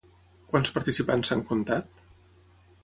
Quants participants s'han contat?